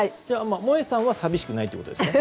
萌さんは寂しくないということですね。